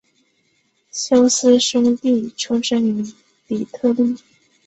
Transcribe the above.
休斯兄弟出生于底特律。